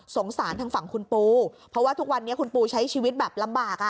ทางฝั่งคุณปูเพราะว่าทุกวันนี้คุณปูใช้ชีวิตแบบลำบากอ่ะ